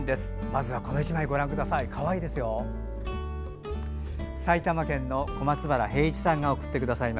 まずはこの１枚ご覧ください。